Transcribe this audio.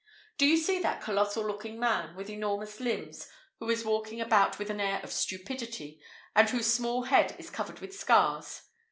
[IV 68] Do you see that colossal looking man, with enormous limbs, who is walking about with an air of stupidity, and whose small head is covered with scars?